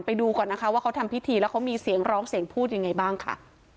ไปดูก่อนนะคะว่าเขาทำพิธีแล้วเขามีเสียงร้องเสียงพูดยังไงบ้างค่ะ